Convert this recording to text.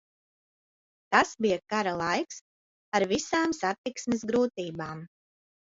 Tas bija kara laiks, ar visām satiksmes grūtībām.